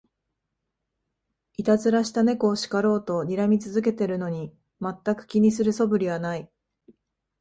いたずらした猫を叱ろうとにらみ続けてるのに、まったく気にする素振りはない